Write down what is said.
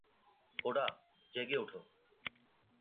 Coda, জেগে ওঠো।